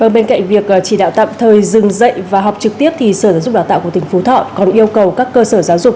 bên cạnh việc chỉ đạo tạm thời dừng dạy và học trực tiếp thì sở giáo dục đào tạo của tỉnh phú thọ còn yêu cầu các cơ sở giáo dục